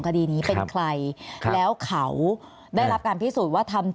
คดีนี้เป็นใครแล้วเขาได้รับการพิสูจน์ว่าทำ